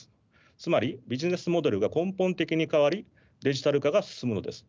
つまりビジネスモデルが根本的に変わりデジタル化が進むのです。